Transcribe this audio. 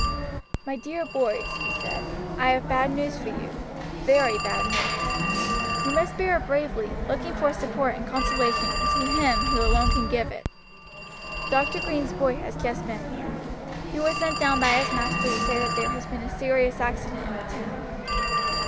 "My dear boys," he said, "I have bad news for you. Very bad news. You must bear it bravely, looking for support and consolation to Him who alone can give it. Dr. Green's boy has just been here. He was sent down by his master to say that there has been a serious accident in the town."